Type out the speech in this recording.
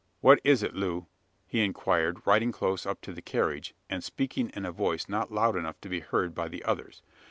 "What is it, Loo?" he inquired, riding close up to the carriage, and speaking in a voice not loud enough to be heard by the others.